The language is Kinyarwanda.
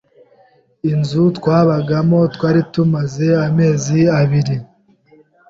inzu twabagamo twari tumaze amezi abiri